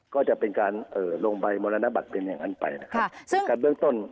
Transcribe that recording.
ก็จะเป็นการลงใบมรณบัติเป็นอย่างนั้นไปนะครับ